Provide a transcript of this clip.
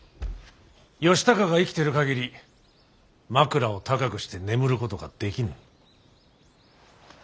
義高が生きてる限り枕を高くして眠ることができぬ。